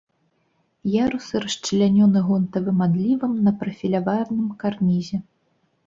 Ярусы расчлянёны гонтавым адлівам на прафіляваным карнізе.